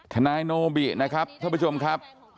ทนายโนบินะครับท่านผู้ชมครับ